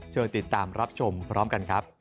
ติดตามรับชมพร้อมกันครับ